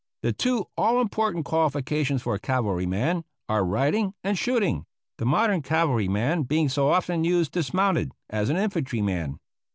The two all important qualifications for a cavalryman, are riding and shooting the modern cavalryman being so often used dismounted, as an infantryman.